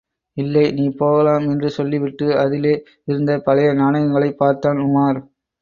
இல்லை நீ போகலாம் என்று சொல்லிவிட்டு, அதிலே இருந்த பழைய நாணயங்களைப் பார்த்தான், உமார்.